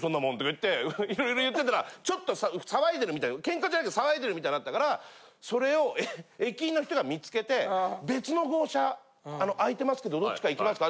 そんなもんとか言っていろいろ言ってたらちょっと騒いでるみたいなケンカじゃないけど騒いでるみたいになったからそれを駅員の人が見つけて別の号車空いてますけどどっちか行きますか？